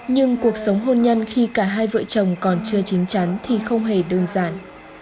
nhưng cuộc sống hôn nhân khi cả hai vợ chồng còn chưa chín chắn thì không hề đơn giản